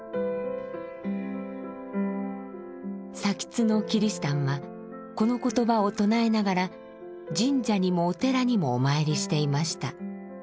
津のキリシタンはこの言葉を唱えながら神社にもお寺にもお参りしていました。